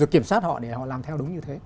kiểm soát họ để họ làm theo đúng như thế